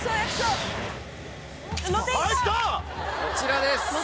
こちらです